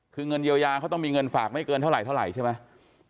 คือเงินเยียวยาเขาต้องมีเงินฝากไม่เกินเท่าไหรใช่ไหม